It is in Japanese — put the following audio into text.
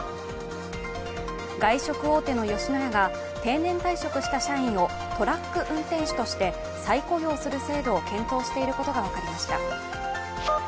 外食大手の吉野家が定年退職した社員をトラック運転手として再雇用する制度を検討していることが分かりました。